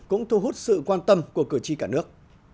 cũng thu hút sự quan tâm của cử tri cả nước